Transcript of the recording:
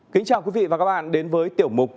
kính chào quý vị và các bạn đến với tiểu mục